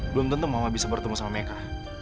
belum tentu mama bisa bertemu sama mereka